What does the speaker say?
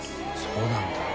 そうなんだ。